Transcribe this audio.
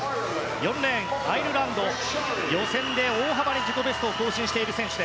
４レーン、アイルランド予選で大幅に自己ベストを更新している選手。